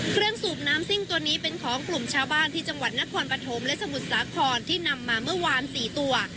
สูบน้ำซิ่งตัวนี้เป็นของกลุ่มชาวบ้านที่จังหวัดนครปฐมและสมุทรสาครที่นำมาเมื่อวาน๔ตัว